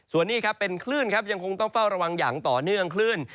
ส่วนนี้ครับเป็นคลื่นครับยังคงต้องเฝ้าระวังอย่างต่อเนื่องคลื่น